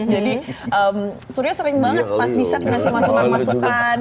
jadi surya sering banget pas di set ngasih masukan masukan